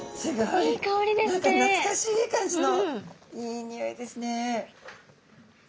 何かなつかしい感じのいいにおいですね。